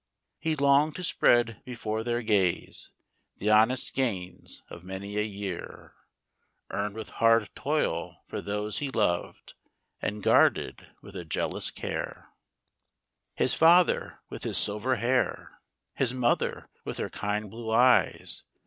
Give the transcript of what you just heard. He long'd to spread before their gaze The honest gains of many a year, Earn'd with hard toil for those he lov'd And guarded with a jealous care. THE DOG. His father, with his silver hair ; His mother, with her kind blue eyes *.